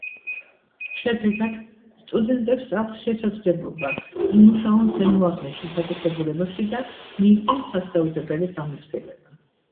შედეგად, სტუდენტებს აქვთ შესაძლებლობა იმუშაონ ზემოაღნიშნულ დაწესებულებებში და მიიღონ ფასდაუდებელი გამოცდილება.